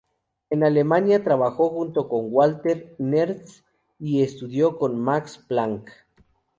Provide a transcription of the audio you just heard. En Alemania trabajó junto con Walther Nernst y estudió con Max Planck.